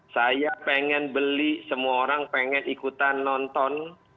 saya pengen beli semua orang pengen ikutan nonton